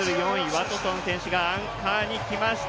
ワトソン選手がアンカーに来ました。